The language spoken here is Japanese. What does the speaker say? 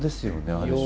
ある種。